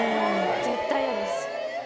絶対嫌です。